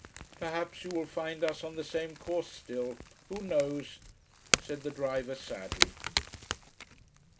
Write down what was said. "Perhaps you will find us on the same course still. Who knows!" said the driver sadly.